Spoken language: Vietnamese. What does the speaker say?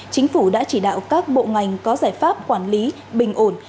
chính phủ đã chỉ đạo các bộ ngành có giải pháp quản lý bình ổn